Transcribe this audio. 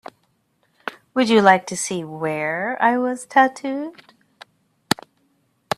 Would you like to see where I was tattooed?